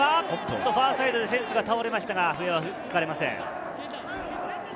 ファーサイドで選手は倒れましたが笛は吹かれません。